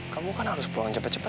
kamu kan harus pulang cepet cepet